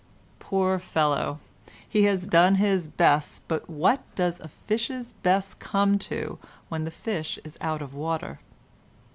Poor fellow! He has done his best, but what does a fish's best come to when the fish is out of water?